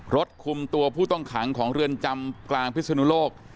รถคุมตัวผู้ต้องขังของเรือนจำกลางพิศนุโลก